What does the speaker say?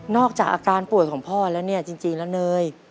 อกจากอาการป่วยของพ่อแล้วเนี่ยจริงแล้วเนย